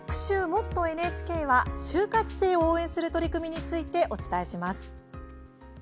「もっとＮＨＫ」は就活生を応援する取り組みについてお伝えします。